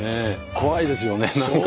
怖いですよねなんかね。